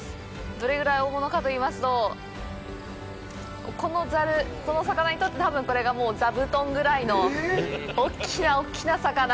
どれぐらい大物かといいますとこのざる、その魚にとって多分、これが座布団ぐらいの大っきな、大っきな魚。